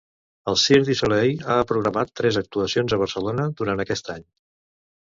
El Cirque du Soleil ha programat tres actuacions a Barcelona durant aquest any.